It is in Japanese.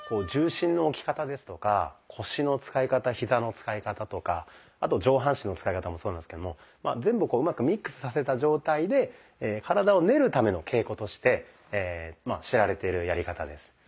重心の置き方ですとか腰の使い方ヒザの使い方とかあと上半身の使い方もそうなんですけども全部をうまくミックスさせた状態でとして知られているやり方です。